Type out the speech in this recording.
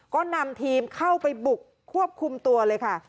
ก็นำทีมเข้าไปบุกควบคุมตัวเลยค่ะ